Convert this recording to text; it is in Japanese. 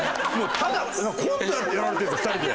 ただコントやられてるんですよ２人で。